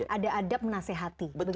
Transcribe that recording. ada adab menasehati